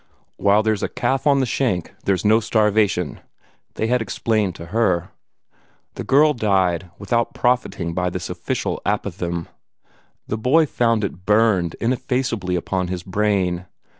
"While there's a calf on the shank, there's no starvation," they had explained to her. The girl died without profiting by this official apothegm. The boy found it burned ineffaceably upon his brain.